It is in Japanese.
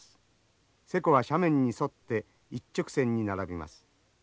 勢子は斜面に沿って一直線に並びます。